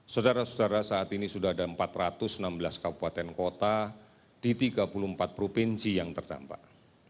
saudara saudara saat ini sudah ada empat ratus enam belas kabupaten kota di tiga puluh empat provinsi yang terdampak